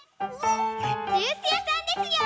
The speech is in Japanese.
ジュースやさんですよ！